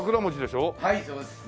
はいそうです。